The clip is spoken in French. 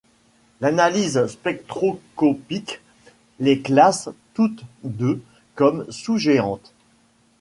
L'analyse spectroscopique les classe toutes deux comme sous-géantes.